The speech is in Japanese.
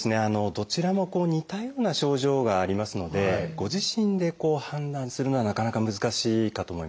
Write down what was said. どちらも似たような症状がありますのでご自身で判断するのはなかなか難しいかと思います。